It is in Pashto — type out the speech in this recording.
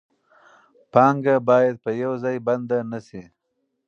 پانګه باید په یو ځای بنده نشي.